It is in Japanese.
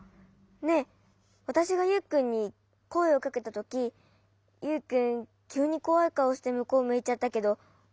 ねえわたしがユウくんにこえをかけたときユウくんきゅうにこわいかおしてむこうむいちゃったけどもしかして。